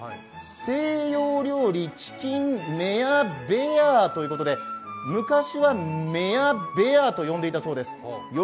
西洋料理、チキンメヤベヤーということで、昔はメヤベヤーと呼んでいたそうです。